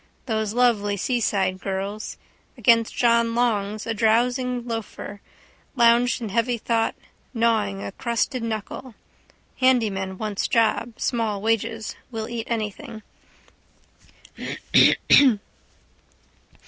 Those lovely seaside girls. Against John Long's a drowsing loafer lounged in heavy thought, gnawing a crusted knuckle. Handy man wants job. Small wages. Will eat anything.